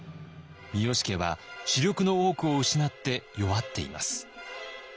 三好家は主力の多くを失って弱っています。